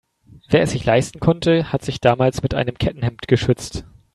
Wer es sich leisten konnte, hat sich damals mit einem Kettenhemd geschützt.